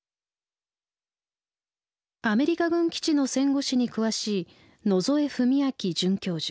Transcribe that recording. アメリカ軍基地の戦後史に詳しい野添文彬准教授。